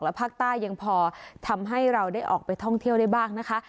และภาคใต้ยังพอทำให้เราได้ออกไปท่องเที่ยวได้บ้างนะคะ